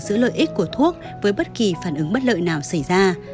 giữa lợi ích của thuốc với bất kỳ phản ứng bất lợi nào xảy ra